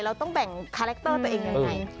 เราต้องแบ่งคาแรคเตอร์ตัวเองยังไง